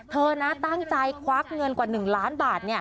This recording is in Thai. เธอนะตั้งใจควักเงินกว่า๑ล้านบาท